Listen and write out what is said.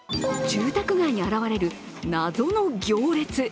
住宅街に現れる謎の行列。